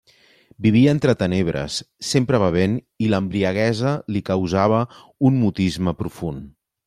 Vivia entre tenebres, sempre bevent, i l'embriaguesa li causava un mutisme profund.